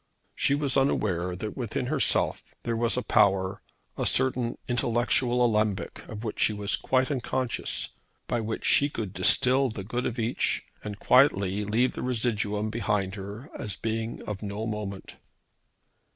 She was unaware that within herself there was a power, a certain intellectual alembic of which she was quite unconscious, by which she could distil the good of each, and quietly leave the residuum behind her as being of no moment.